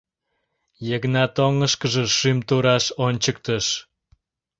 Йыгнат оҥышкыжо, шӱм тураш, ончыктыш.